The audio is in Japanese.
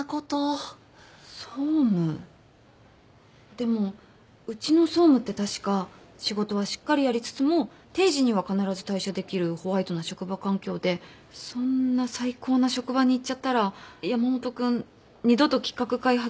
でもうちの総務って確か仕事はしっかりやりつつも定時には必ず退社できるホワイトな職場環境でそんな最高な職場に行っちゃったら山本君二度と企画開発部に行けなくなるんじゃ。